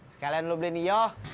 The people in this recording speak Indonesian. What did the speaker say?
sekalian lo beli nih yuk